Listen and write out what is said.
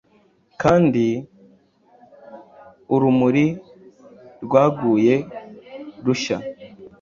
Kandi urumuri rwaguye rushya!